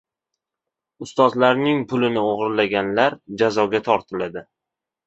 Ustozlarning pulini o‘g‘irlaganlar jazoga tortildi